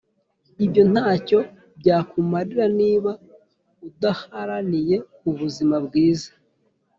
ibyo ntacyo byakumarira niba udaharaniye ubuzima bwiza